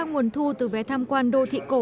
nguồn thu từ vé tham quan đô thị cổ